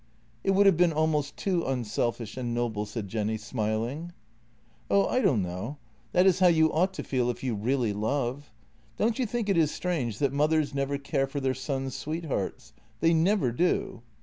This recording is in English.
" It would have been almost too unselfish and noble," said Jenny, smiling. " Oh, I don't know. That is how you ought to feel if you really love. Don't you think it is strange that mothers never care for their sons' sweethearts? They never do."